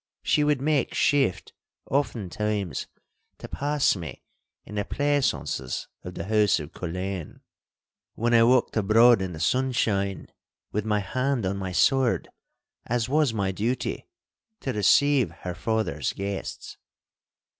She would make shift oftentimes to pass me in the pleasaunces of the house of Culzean, when I walked abroad in the sunshine with my hand on my sword—as was my duty—to receive her father's guests.